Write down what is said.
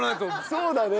そうだね。